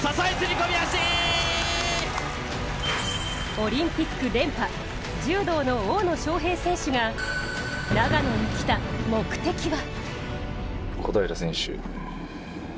オリンピック連覇、柔道の大野将平選手が長野に来た目的は。